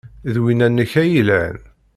D winna-nnek ay yelhan.